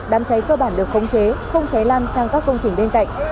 đám cháy cơ bản được khống chế không cháy lan sang các công trình bên cạnh